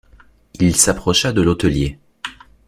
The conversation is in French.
Il s’approcha de l’hôtelier.